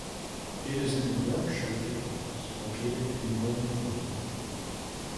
It is in the Yorkshire Dales, located in northern England.